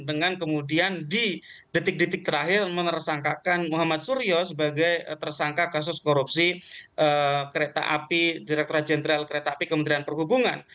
dengan kemudian di detik detik terakhir menersangkakan muhammad suryo sebagai tersangka kasus korupsi kereta api direkturat jenderal kereta api kementerian perhubungan